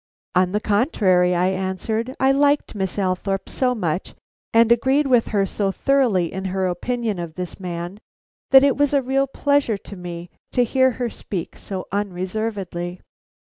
"On the contrary," I answered. I liked Miss Althorpe so much and agreed with her so thoroughly in her opinion of this man, that it was a real pleasure to me to hear her speak so unreservedly.